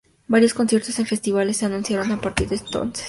Varios conciertos en festivales se anunciaron a partir de entonces.